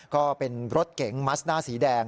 ก็เป็นรถเก๋งมัสด้าสีแดง